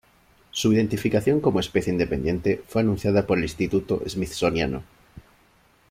Su identificación como especie independiente fue anunciada el por el Instituto Smithsoniano.